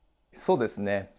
そうですね